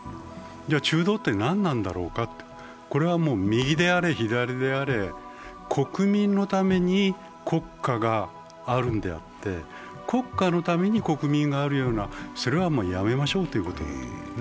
中道って何なんだろうか、これは右であれ、左であれ、国民のために国家があるんであって、国家のために国民があるような、それはやめましょうということです。